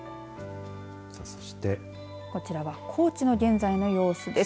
そして、こちらは高知の現在の様子です。